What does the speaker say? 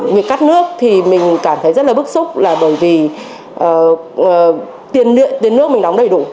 việc cắt nước thì mình cảm thấy rất là bức xúc là bởi vì tiền nước mình đóng đầy đủ